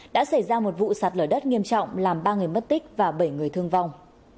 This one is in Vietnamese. đã xảy ra một vụ sạt lở đất nghiêm trọng làm ba người mất tích và bảy người thương vong